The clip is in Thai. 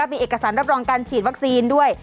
มีเอกสารรับรองการฉีดวัคซีนด้วย